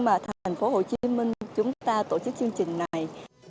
mà thành phố hồ chí minh chúng ta tổ chức chương trình này